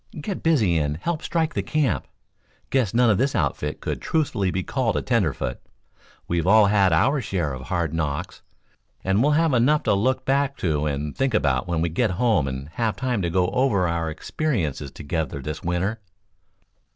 Get busy and help strike this camp. Guess none of this outfit could truthfully be called a tenderfoot. We've all had our share of hard knocks, and we'll have enough to look back to and think about when we get home and have time to go over our experiences together this winter."